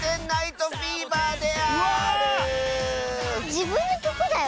じぶんのきょくだよ。